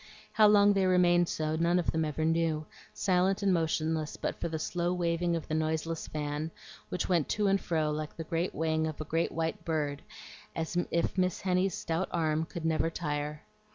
How long they remained so none of them ever knew, silent and motionless but for the slow waving of the noiseless fan, which went to and fro like the wing of a great white bird, as if Miss Henny's stout arm could never tire.